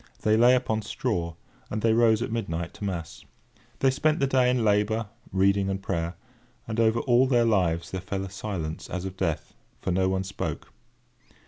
They lay upon straw, and they rose at midnight to mass. They spent the day in labour, reading, and prayer; and over all their lives there fell a silence as of death, for no one spoke.